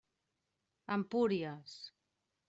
Empúries.